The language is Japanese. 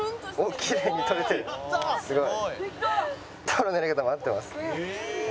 すごい。